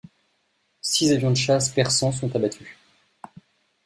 Six avions de chasse persans sont abattus.